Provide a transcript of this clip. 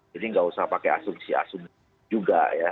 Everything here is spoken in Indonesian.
jadi nggak usah pakai asumsi asumsi juga ya